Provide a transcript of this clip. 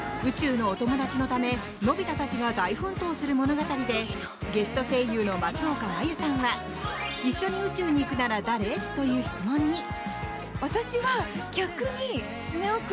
宇宙のお友達のためのび太たちが大奮闘する物語でゲスト声優の松岡茉優さんは一緒に宇宙に行くなら誰？という質問に。